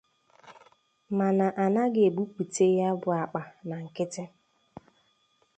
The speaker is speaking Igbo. Mana a naghị ebupute ya bụ àkpà na nkịtị